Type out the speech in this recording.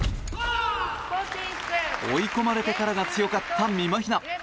追い込まれてからが強かったみまひな！